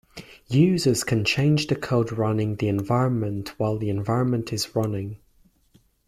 Users can change the code running the environment while the environment is running.